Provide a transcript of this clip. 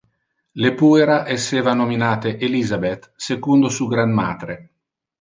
Le puera esseva nominate Elizabeth secundo su granmatre.